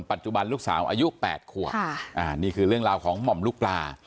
ปัจจุบันลูกสาวอายุ๘ขวบนี่คือเรื่องราวของหม่อมลูกปลา